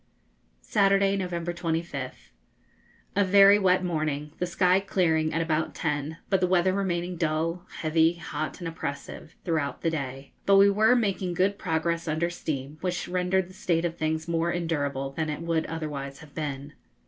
Saturday, November 25th. A very wet morning, the sky clearing at about ten, but the weather remaining dull, heavy, hot, and oppressive, throughout the day. But we were making good progress under steam, which rendered the state of things more endurable than it would otherwise have been.